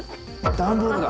段ボールだ